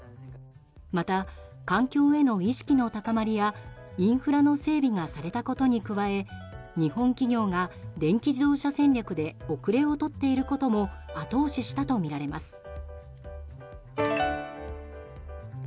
また、環境への意識の高まりやインフラの整備がされたことに加え、日本企業が電気自動車戦略で後れを取っていることも後押ししたとみられます。